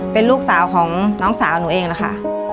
เป็นลูกสาวของน้องสาวหนูเองนะคะ